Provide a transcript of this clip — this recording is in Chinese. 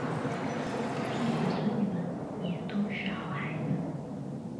孙子孙女们也都是好孩子